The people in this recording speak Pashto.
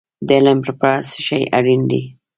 د علم لپاره څه شی اړین دی؟